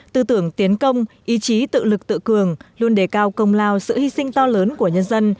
tư tưởng tiến công ý chí tự lực tự cường luôn đề cao công lao sự hy sinh to lớn của nhân dân